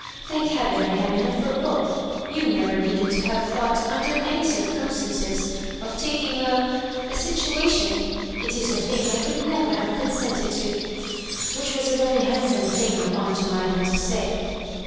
'Thank heaven I have enough f(»r both; jim never needed to have thought, under any circurostanoes, of taking a^~a situation. It is a thing I could never have con sented to," — ^which was a very handsome thing of aunt Jemima to say.